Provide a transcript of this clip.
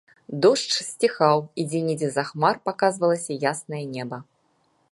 Дождж сціхаў, і дзе-нідзе з-за хмар паказвалася яснае неба.